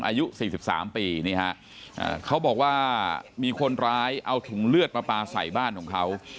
อายุ๔๓ปีนี่ฮะเขาบอกว่ามีคนร้ายเอาถุงเลือดมาปลาใส่บ้านของเขา